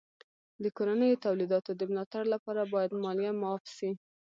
د کورنیو تولیداتو د ملا تړ لپاره باید مالیه معاف سي.